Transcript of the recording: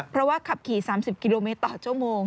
เพราะว่าขับขี่๓๐กิโลเมตรต่อชั่วโมง